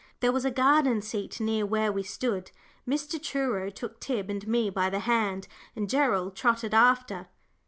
There was a garden seat near where we stood. Mr. Truro took Tib and me by the hand, and Gerald trotted after.